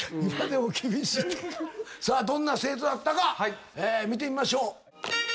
さあどんな生徒だったか見てみましょう。